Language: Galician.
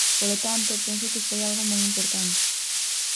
Polo tanto, penso que foi algo moi importante.